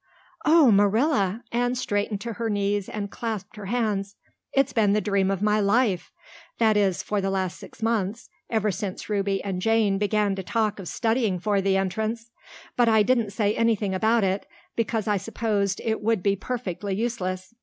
"Oh, Marilla!" Anne straightened to her knees and clasped her hands. "It's been the dream of my life that is, for the last six months, ever since Ruby and Jane began to talk of studying for the Entrance. But I didn't say anything about it, because I supposed it would be perfectly useless.